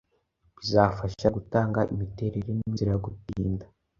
bizafaha gutanga imiterere ninzira yo gutinda